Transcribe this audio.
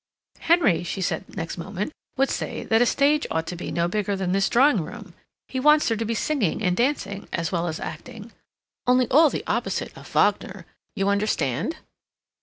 "Henry," she said next moment, "would say that a stage ought to be no bigger than this drawing room. He wants there to be singing and dancing as well as acting—only all the opposite of Wagner—you understand?"